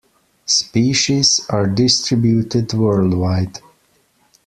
Species are distributed worldwide.